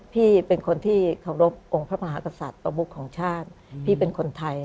พี่เป็นคนที่เคารพองค์พระมหากษัตริย์ประมุขของชาติพี่เป็นคนไทย